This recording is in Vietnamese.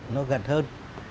nó gần hơn